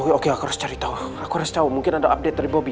oke oke aku harus cari tau aku harus tau mungkin ada update dari bobby